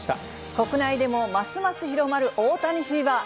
国内でもますます広まる大谷フィーバー。